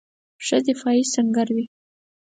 ښه دفاعي سنګر وي.